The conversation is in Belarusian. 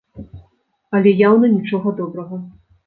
Але яўна нічога добрага.